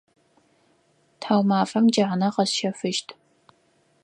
Тхьаумафэм джанэ къэсщэфыщт.